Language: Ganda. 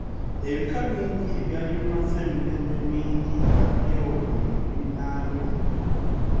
Ebika bingi ebyali bimaze emirembe emingi nga byewogomye mu binnaabyo.